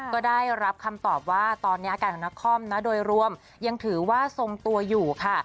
ก็ได้รับคำตอบว่าตอนนี้อาการของนักคอมนะโดยรวมยังถือว่าทรงตัวอยู่ค่ะ